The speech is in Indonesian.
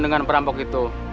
dengan perampok itu